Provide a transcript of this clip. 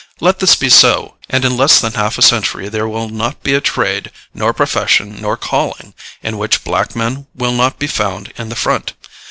Let this be so, and in less than half a century there will not be a trade, nor profession, nor calling, in which black men will not be found in the front.